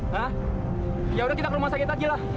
hah ya udah kita ke rumah sakit lagi lah